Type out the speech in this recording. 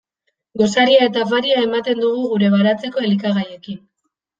Gosaria eta afaria ematen dugu gure baratzeko elikagaiekin.